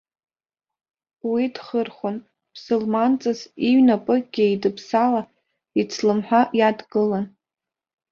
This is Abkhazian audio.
Уи дхырхәон, ԥсылманҵас иҩнапыкгьы еидыԥсала ицлымҳәа иадкылан.